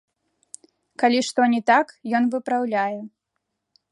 Калі што не так, ён выпраўляе.